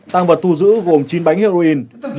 tăng vật thu giữ gồm chín bánh heroin